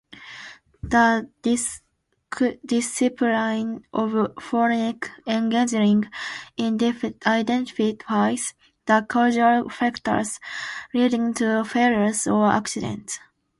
The discipline of forensic engineering identifies the causal factors leading to failures or accidents.